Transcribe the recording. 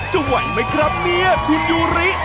จะไหวมั้ยครับเมียคุณยูลิ